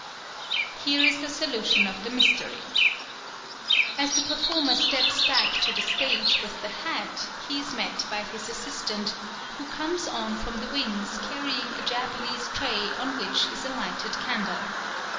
Here is the solution of the mystery. As the performer steps back to the stage with the hat he is met by his assistant, who comes on from the wings carrying a Japanese tray on which is a lighted candle.